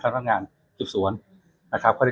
ข้าตามกฎหมายซักขวัญตอนต่อไป